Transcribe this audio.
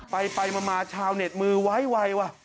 ไปไปมาชาวเน็ตมือวายว่ะ